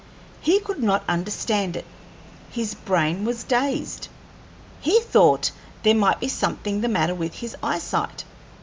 He could not understand it; his brain was dazed. He thought there might be something the matter with his eyesight.